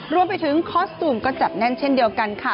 รวมไปถึงคอสตูมก็จับแน่นเช่นเดียวกันค่ะ